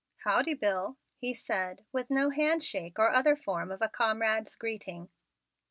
"Howdy, Bill," he said with no handshake or other form of a comrade's greeting.